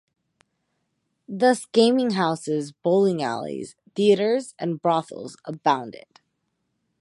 Thus gaming houses, bowling alleys, theatres and brothels abounded.